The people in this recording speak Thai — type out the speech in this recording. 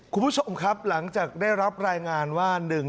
คุณผู้ชมครับหลังจากได้รับรายงานว่า